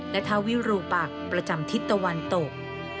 และทาวิรูปักประจำทิศตะวันตก